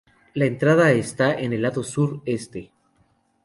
La entrada está en el lado sur-este.